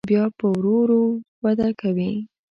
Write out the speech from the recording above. بیا ورو په ورو وده کوي.